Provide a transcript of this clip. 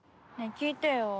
聞いてよ。